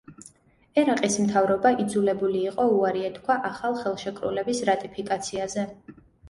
ერაყის მთავრობა იძულებული იყო უარი ეთქვა ახალ ხელშეკრულების რატიფიკაციაზე.